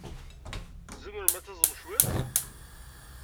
Tzemrem ad taẓem cwiṭ?